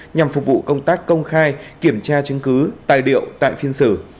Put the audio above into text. nhằm phục vụ công tác công khai kiểm tra chứng cứ tài liệu tại phiên xử